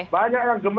banyak yang gemeru